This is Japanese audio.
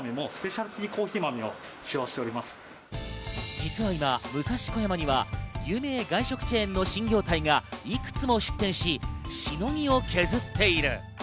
実は今、武蔵小山には有名外食チェーンの新業態がいくつも出店し、しのぎを削っている。